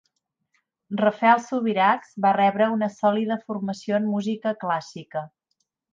Rafael Subirachs va rebre una sòlida formació en música clàssica.